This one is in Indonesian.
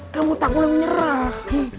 kamu tak boleh menyerah